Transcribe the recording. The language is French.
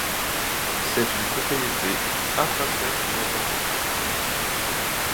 C'est une propriété intrinsèque du matériau.